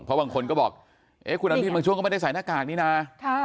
เพราะบางคนก็บอกเอ๊ะคุณอภิษบางช่วงก็ไม่ได้ใส่หน้ากากนี้นะ